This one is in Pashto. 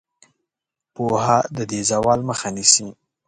پوهه د دې زوال مخه نیسي.